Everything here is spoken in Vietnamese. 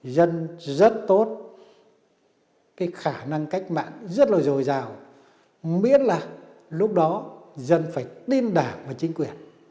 dân rất tốt cái khả năng cách mạng rất là dồi dào miễn là lúc đó dân phải tin đảng và chính quyền